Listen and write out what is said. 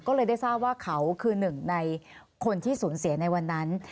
ก็เลยได้ทราบว่าเขาคือหนึ่งในคนที่สูญเสียในวันนั้น